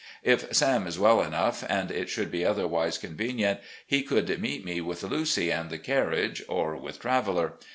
If Sam is well enough, and it should be otherwise convenient, he could meet me with Lucy and the carriage or with Traveller.